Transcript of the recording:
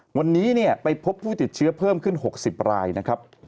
วันนี้ไปพบผู้ติดเชื้อเพิ่มขึ้น๖๐รายนะครับ